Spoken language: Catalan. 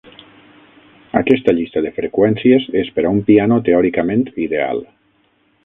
Aquesta llista de freqüències és per a un piano teòricament ideal.